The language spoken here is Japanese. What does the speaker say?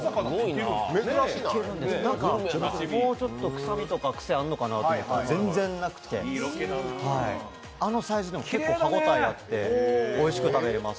もうちょっとくさみとか癖あんのかなと思ったら全然なくて、あのサイズでも結構歯応えあっておいしく食べれます。